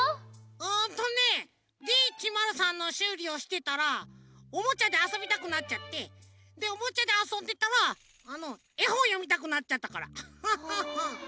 うんとねＤ１０３のしゅうりをしてたらおもちゃであそびたくなっちゃってでおもちゃであそんでたらあのえほんよみたくなっちゃったからアハハハ。